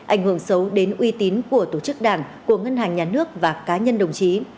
ảnh hưởng xấu đến uy tín của tổ chức đảng của ngân hàng nhà nước và cá nhân đồng chí